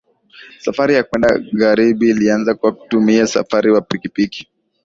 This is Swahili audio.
Safari ya kwenda Ngarambi ilianza kwa kutumia usafiri wa pikipiki